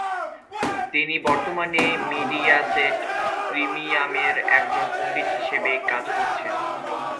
তিনি বর্তমানে মিডিয়াসেট প্রিমিয়ামের একজন পণ্ডিত হিসেবে কাজ করছেন।